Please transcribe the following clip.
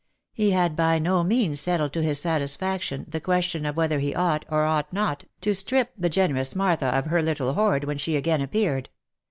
He had by no means settled to his satisfaction the question of whether he ought, or ought not, to strip the generous Martha of her little hoard when she again appeared.